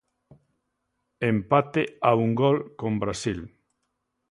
Empate a un gol con Brasil.